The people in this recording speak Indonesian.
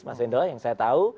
mas indra yang saya tahu